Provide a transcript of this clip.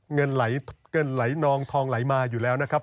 เงินไหลนองทองไหลมาอยู่แล้วนะครับ